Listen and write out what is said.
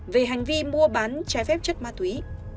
về hành vi mua bán trái phép chất ma túy